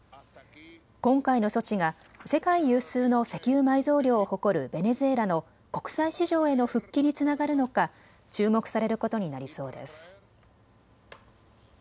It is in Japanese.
今回の措置が世界有数の石油埋蔵量を誇るベネズエラの国際市場への復帰につながるのか注目されることになりそうです。